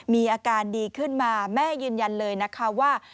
มีอาการดีขึ้นมาแม่ยืนยันเลยนะคะว่า